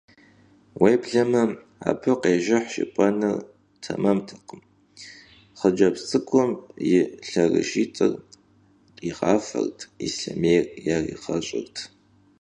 Уеблэмэ, абы къежыхь жыпӀэныр тэмэмтэкъым: хъыджэбз цӀыкӀум и лъэрыжитӀыр къигъафэрт, ислъэмей яригъэщӀырт.